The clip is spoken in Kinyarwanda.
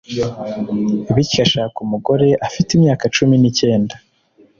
bityo ashaka umugore afite imyaka cumi ni cyenda